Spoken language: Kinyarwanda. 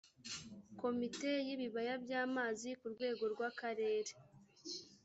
komite y ibibaya by amazi ku rwego rw akarere